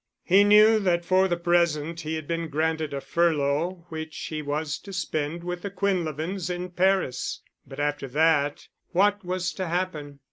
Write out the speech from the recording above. He knew that for the present he had been granted a furlough which he was to spend with the Quinlevins in Paris, but after that, what was to happen?